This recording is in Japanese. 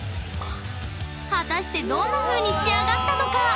果たしてどんなふうに仕上がったのか！